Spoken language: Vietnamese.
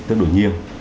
tức đủ nhiều